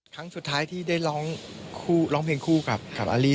ครั้งสุดท้ายที่ได้ร้องเพลงคู่กับอารี่